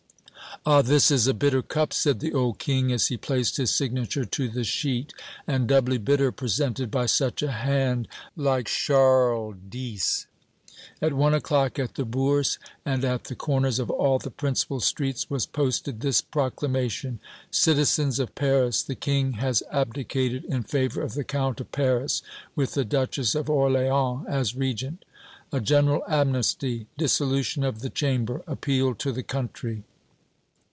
"Ah! this is a bitter cup," said the old King as he placed his signature to the sheet, "and doubly bitter presented by such a hand! Like Charles X.!" At one o'clock, at the Bourse and at the corners of all the principal streets, was posted this proclamation: "CITIZENS OF PARIS: The King has abdicated in favor of the Count of Paris, with the Duchess of Orléans as Regent. A General Amnesty. Dissolution of the Chamber. Appeal to the Country."